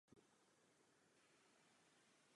Neklid se ale zatím rozšířil i na jiná místa.